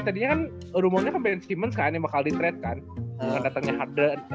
tadinya kan rumornya ben simmons kan yang bakal di trade kan